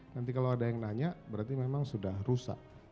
nanti kalau ada yang nanya berarti memang sudah rusak